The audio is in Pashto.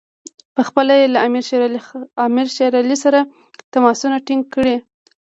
پخپله یې له امیر شېر علي سره تماسونه ټینګ کړي.